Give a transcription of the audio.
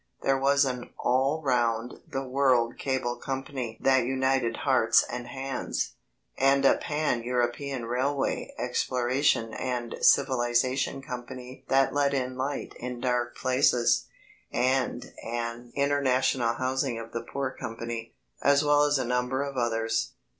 There was an "All Round the World Cable Company" that united hearts and hands, and a "Pan European Railway, Exploration, and Civilisation Company" that let in light in dark places, and an "International Housing of the Poor Company," as well as a number of others.